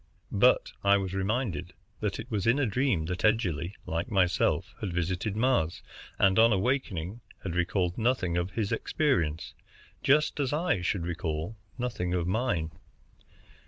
But I was reminded that it was in a dream that Edgerly, like myself, had visited Mars, and on awaking had recalled nothing of his experience, just as I should recall nothing of mine.